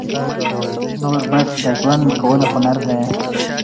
نور بس د ژوند کولو هنر دى،